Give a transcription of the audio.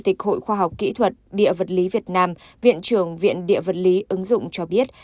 tịch hội khoa học kỹ thuật địa vật lý việt nam viện trưởng viện địa vật lý ứng dụng cho biết